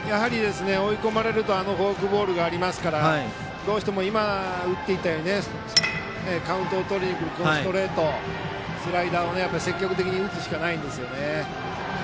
追い込まれるとあのフォークボールがありますからどうしても今打っていったようにカウントをとりにくるストレートスライダーも積極的に打つしかないんですよね。